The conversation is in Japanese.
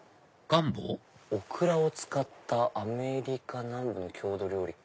「オクラを使ったアメリカ南部の郷土料理」。